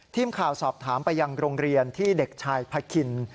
ทีมข่าวสอบถามไปยังโรงเรียนที่เด็กชายพาคิน